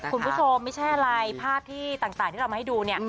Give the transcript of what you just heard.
คุณผู้ชมไม่ใช่อะไรภาพที่ต่างที่เรามาให้ดูเนี่ย